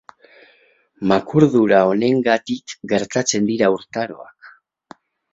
Makurdura honengatik gertatzen dira urtaroak.